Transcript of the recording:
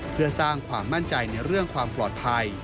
เพื่อสร้างความมั่นใจในเรื่องความปลอดภัย